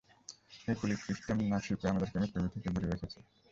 এই cooling system না শিপে আমাদেরকে মৃত্যু থেকে দূরে রেখেছে?